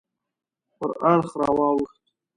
پر اړخ راواوښت.